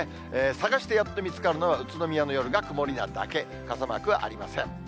探してやっと見つかるのは、宇都宮の曇りなだけ、傘マークはありません。